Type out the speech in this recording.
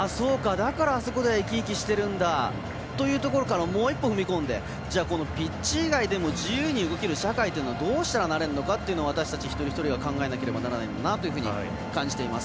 だから、あそこでは生き生きしてるんだというところからもう１歩踏み込んでピッチ以外にも自由に動ける社会というのはどういうふうにできるのかを私たち一人一人が考えないといけないなと感じています。